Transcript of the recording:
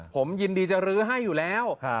ผมยินดีจะลื้อให้อยู่แล้ว